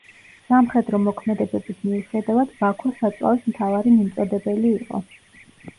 სამხედრო მოქმედებების მიუხედავად, ბაქო საწვავის მთავარი მიმწოდებელი იყო.